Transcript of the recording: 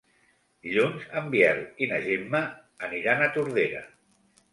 Dilluns en Biel i na Gemma aniran a Tordera.